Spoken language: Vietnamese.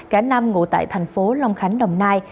cả năm ngụ tại thành phố long khánh đồng nai